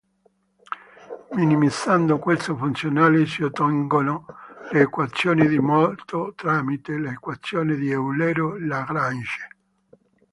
Minimizzando questo funzionale si ottengono le equazioni del moto tramite le equazioni di Eulero-Lagrange.